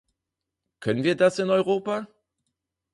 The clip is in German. Können wir das in Europa?